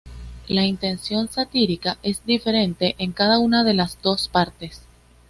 La intención satírica es diferente en cada una de las dos partes.